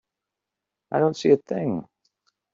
I don't see a thing.